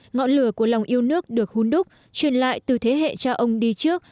ngọn lửa của lòng yêu nước được hôn đúc truyền lại từ thế hệ cha ông đi trước